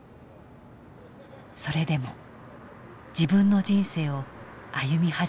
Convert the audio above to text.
それでも自分の人生を歩み始めていました。